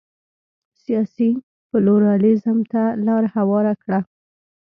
سیاسي پلورالېزم ته لار هواره کړه.